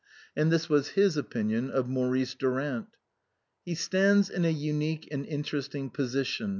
And this was his opinion of Maurice Durant :" He stands in a unique and interesting posi tion.